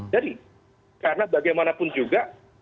jadi karena bagaimanapun juga